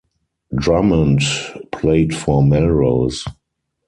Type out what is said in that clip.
Drummond played for Melrose.